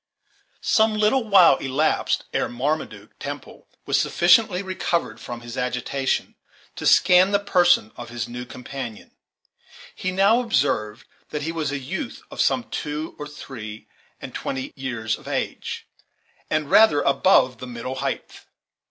Some little while elapsed ere Marmaduke Temple was sufficiently recovered from his agitation to scan the person of his new companion. He now observed that he was a youth of some two or three and twenty years of age, and rather above the middle height.